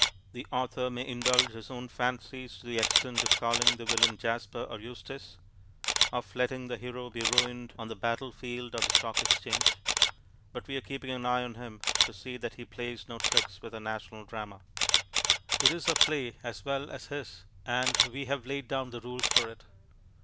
The author may indulge his own fancies to the extent of calling the Villain Jasper or Eustace, of letting the Hero be ruined on the battle field or the Stock Exchange, but we are keeping an eye on him to see that he plays no tricks with our national drama. It is our play as well as his, and we have laid down the rules for it.